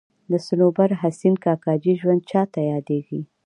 د صنوبر حسین کاکاجي ژوند چاته یادېږي.